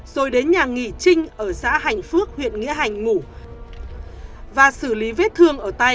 rồi đến nhà nghị trinh ở xã hành phước huyện nghĩa hành ngủ và xử lý vết thương ở tay